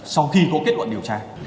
sau khi có kết quả điều tra